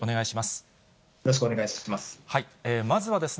よろしくお願いします。